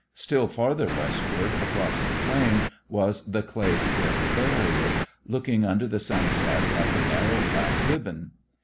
Still farther westward across the plain was the clay cliff barrier, looking under the sunset like a narrow black ribbon.